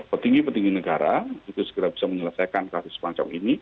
petinggi petinggi negara itu segera bisa menyelesaikan kasus semacam ini